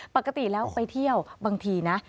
ปกติแล้วไปเที่ยวบางทีนะ